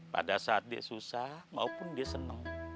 pada saat dia susah maupun dia senang